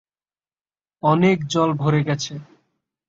অনেক জল ভরে গেছে।